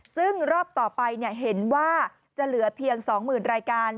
ซึ่งรอบต่อไปเห็นว่าจะเหลือเพียง๒๐๐๐รายการ